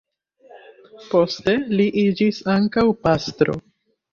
Poste li iĝis ankaŭ pastro.